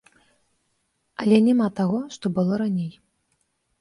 Але няма таго, што было раней.